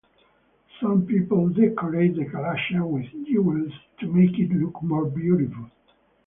Some people decorate the kalasha with jewels to make it look more beautiful.